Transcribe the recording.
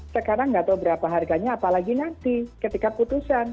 sekarang nggak tahu berapa harganya apalagi nanti ketika putusan